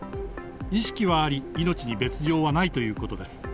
意識はあり、命に別状はないということです。